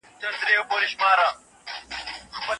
د ټولنپوهنې پلار چا ته وايي؟